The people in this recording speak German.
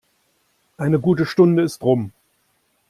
Eine gute Stunde ist rum.